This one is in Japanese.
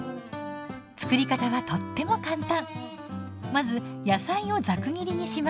つくり方はとっても簡単！